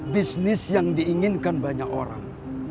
bisnis yang diinginkan banyak orang